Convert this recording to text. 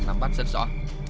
nắm bắt rất rõ